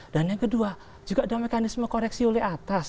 dan yang kedua juga ada mekanisme koreksi oleh atas